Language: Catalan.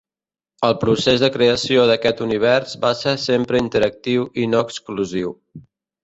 El procés de creació d'aquest univers va ser sempre interactiu i no exclusiu.